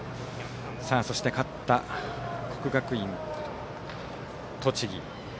そして勝った国学院栃木。